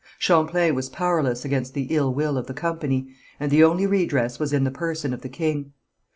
Champlain was powerless against the ill will of the company, and the only redress was in the person of the king.